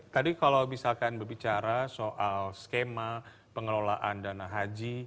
tadi kalau misalkan berbicara soal skema pengelolaan dana haji